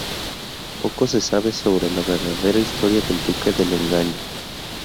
Poco se sabe sobre la verdadera historia del Duque del engaño.